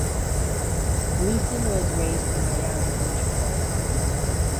Gleason was raised in Miami Beach, Florida.